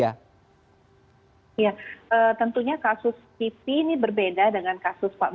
ya tentunya kasus kipi ini berbeda dengan kasus covid sembilan belas